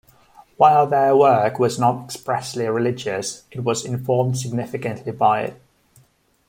While their work was not expressly religious it was informed significantly by it.